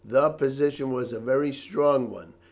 The position was a very strong one.